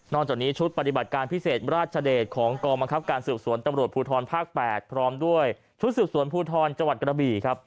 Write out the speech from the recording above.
จากนี้ชุดปฏิบัติการพิเศษราชเดชของกองบังคับการสืบสวนตำรวจภูทรภาค๘พร้อมด้วยชุดสืบสวนภูทรจังหวัดกระบี่ครับ